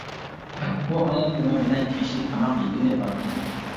ئۇ ئايال ئۇنىڭ بىلەن كەچلىك تاماق يېگىلى باردى.